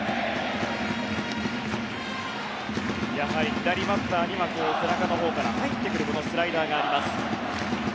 左バッターには背中のほうから入ってくるスライダーがあります。